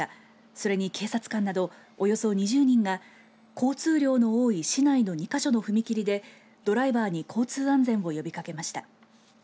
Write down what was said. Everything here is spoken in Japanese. それに警察官などおよそ２０人が交通量の多い市内の２か所の踏切でドライバーに交通安全を呼びかけました。